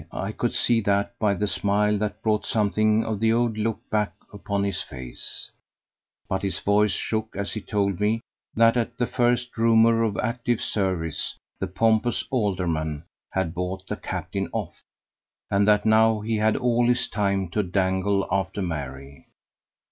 I could see that by the smile that brought something of the old look back upon his face; but his voice shook as he told me that at the first rumour of active service the pompous alderman had bought the captain off, and that now he had all his time to dangle after Mary.